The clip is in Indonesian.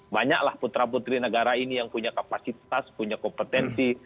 banyaklah putra putri negara ini yang punya kapasitas punya kompetensi